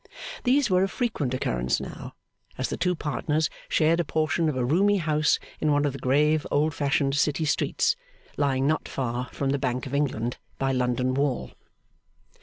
These were of frequent occurrence now; as the two partners shared a portion of a roomy house in one of the grave old fashioned City streets, lying not far from the Bank of England, by London Wall.